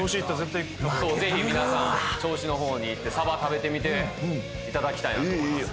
本当にぜひ皆さん銚子のほうに行ってサバ食べてみていただきたいなと思います